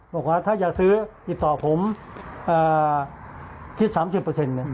บอกว่าถ้าอย่าซื้อติดต่อผมเอ่อที่สามสิบเปอร์เซ็นต์เนี่ย